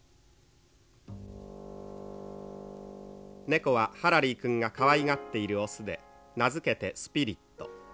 「猫はハラリー君がかわいがっている雄で名付けてスピリット。